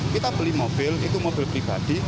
kita beli mobil itu mobil pribadi